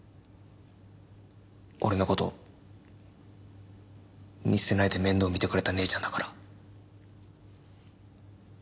俺の事見捨てないで面倒見てくれた姉ちゃんだから。